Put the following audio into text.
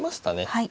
はい。